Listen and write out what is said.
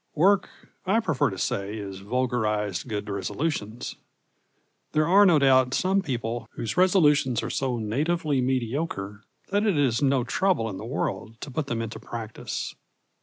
Work, I prefer to say, is vulgarised good resolutions. There are, no doubt, some people whose resolutions are so natively mediocre that it is no trouble in the world to put them into practice.